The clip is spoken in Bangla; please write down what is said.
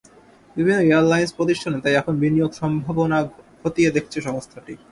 বিভিন্ন এয়ারলাইনস প্রতিষ্ঠানে তাই এখন বিনিয়োগ সম্ভাবনা খতিয়ে দেখছে সংস্থাটি।